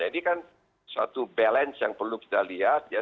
ini kan suatu balance yang perlu kita lihat ya